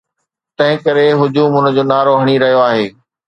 تنهن ڪري هجوم ان جو نعرو هڻي رهيو آهي.